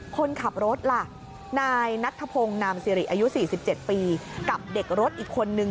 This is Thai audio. คนขับรถล่ะนายนัทธพงศ์นามสิริอายุ๔๗ปีกับเด็กรถอีกคนนึง